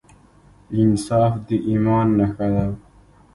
انصاف د ایمان نښه ده.